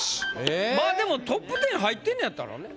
でもトップ１０入ってんねやったらね。